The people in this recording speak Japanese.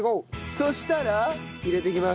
そしたら入れていきます。